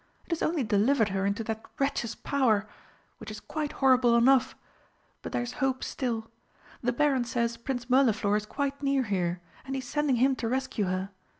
"It has only delivered her into that wretch's power which is quite horrible enough! But there's hope still. The Baron says Prince Mirliflor is quite near here and he's sending him to rescue her.